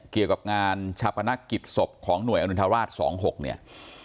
เกี่ยวกับงานชาปนักกิจศพของหน่วยอนุทราช๒๖เนี่ย